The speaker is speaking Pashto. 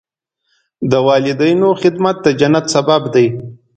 د والدینو خدمت د جنت سبب دی.